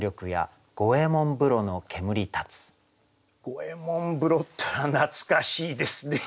五右衛門風呂っていうのは懐かしいですね。